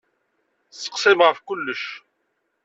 Tesseqsayem ɣef kullec.